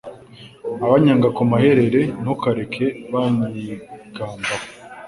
Abanyanga ku maherere ntukareke banyigambaho